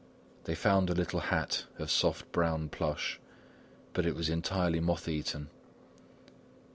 They found a little hat of soft brown plush, but it was entirely moth eaten.